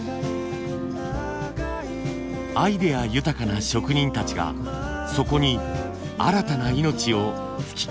アイデア豊かな職人たちがそこに新たな命を吹き込んでいました。